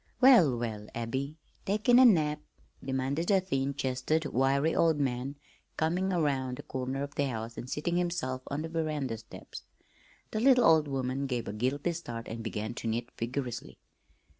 "Well, well, Abby, takin' a nap?" demanded a thin chested, wiry old man coming around the corner of the house and seating himself on the veranda steps. The little old woman gave a guilty start and began to knit vigorously.